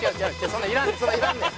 そんなんいらんねん。